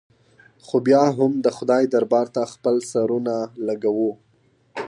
خو بیا هم د خدای دربار ته خپل سرونه لږوو.